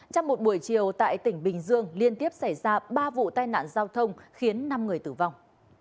trong một buổi chiều tại tỉnh bình dương liên tiếp xảy ra ba vụ tai nạn giao thông khiến năm người tử vong